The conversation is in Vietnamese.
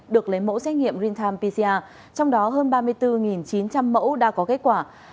được lấy mẫu xét nghiệm real time pcr trong đó hơn ba mươi bốn chín trăm linh mẫu đã có kết quả